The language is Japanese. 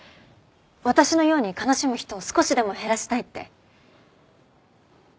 私のように悲しむ人を少しでも減らしたいって。